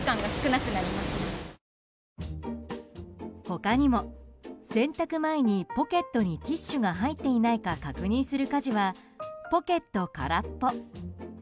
他にも洗濯前にポケットにティッシュが入っていないか確認する家事はポケットからっぽ。